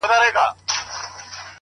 چي په سرو وینو کي اشنا وویني”